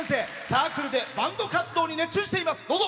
サークルでバンド活動に熱中しています。